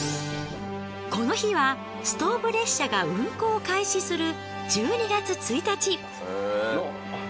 この日はストーブ列車が運行を開始する１２月１日。